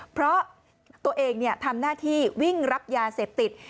เพราะตัวเองทำหน้าที่วิ่งรับยาเสพติด